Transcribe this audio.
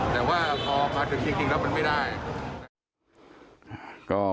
แต่ว่าพอมาถึงจริงแล้วมันไม่ได้